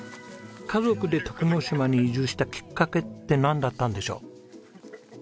家族で徳之島に移住したきっかけってなんだったんでしょう？